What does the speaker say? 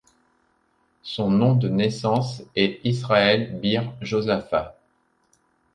Son nom de naissance est Israel Beer Josaphat.